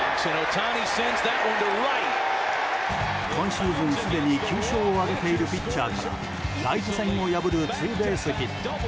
今シーズンすでに９勝を挙げているピッチャーからライト線を破るツーベースヒット。